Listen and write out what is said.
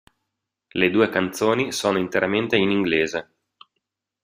Le due canzoni sono interamente in inglese.